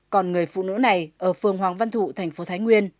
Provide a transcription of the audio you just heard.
còn người phụ nữ này ở phương hoàng văn thụ thành phố thái nguyên